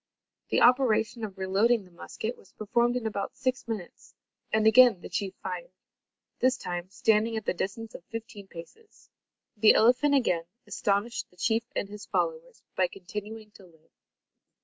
The operation of reloading the musket was performed in about six minutes and again the chief fired. This time, standing at the distance of fifteen paces. The elephant again astonished the chief and his followers, by continuing to live.